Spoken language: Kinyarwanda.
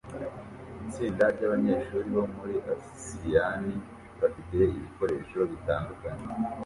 Itsinda ryabanyeshuri bo muri asiyani bafite ibikoresho bitandukanye